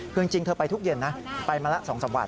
คือจริงเธอไปทุกเย็นนะไปมาละ๒๓วัน